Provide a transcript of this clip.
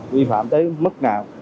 vi phạm tới mức nào